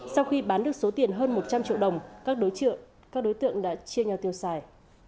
sau khi bán được số tiền hơn một trăm linh triệu đồng các đối tượng đã chia nhau tiêu xài